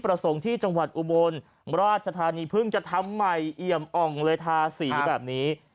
ประสงค์ที่จังหวัดอุบลราชธานีเพิ่งจะทำใหม่เอี่ยมอ่องเลยทาสีแบบนี้